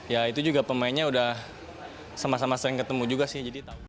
ya itu juga pemainnya udah sama sama sering ketemu juga sih